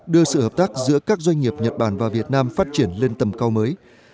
đưa sự hợp tác giữa các doanh nghiệp nhật bản và việt nam phát triển lên tầm cao mới